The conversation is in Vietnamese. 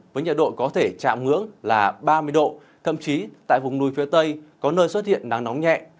với nhiệt độ có thể chạm ngưỡng là ba mươi độ thậm chí tại vùng núi phía tây có nơi xuất hiện nắng nóng nhẹ